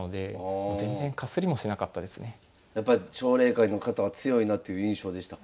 やっぱり奨励会の方は強いなという印象でしたか？